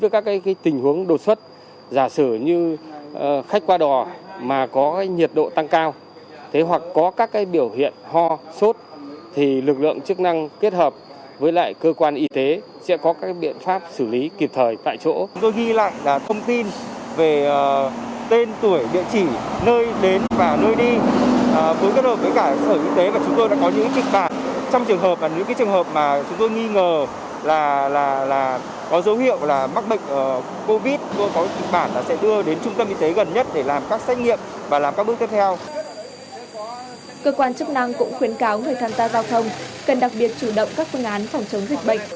cơ quan chức năng cũng khuyến cáo người tham gia giao thông cần đặc biệt chủ động các phương án phòng chống dịch bệnh